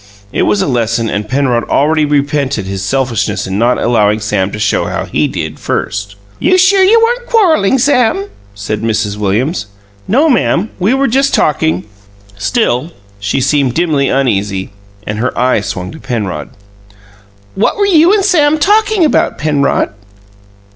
It was a lesson, and Penrod already repented his selfishness in not allowing Sam to show how he did, first. "You're sure you weren't quarrelling, Sam?" said Mrs. Williams. "No, ma'am; we were just talking." Still she seemed dimly uneasy, and her eye swung to Penrod. "What were you and Sam talking about, Penrod!"